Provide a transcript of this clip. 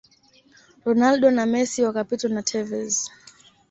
ronaldo na Messi wakapitwa na Tevez